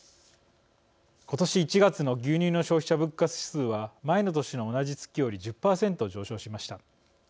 今年１月の牛乳の消費者物価指数は前の年の同じ月より１０％上昇しました。